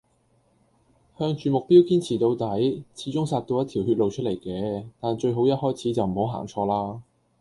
向住目標堅持到底，始終殺到一條血路出黎嘅，但最好一開始就唔好行錯啦